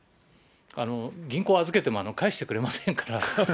銀行に預けても、返してくれませんから。